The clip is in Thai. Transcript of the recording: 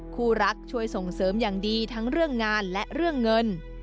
คู่รักช่วยส่งเสริมอย่างดีทั้งเรื่องงานและเรื่องเงิน